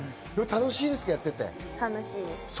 楽しいです。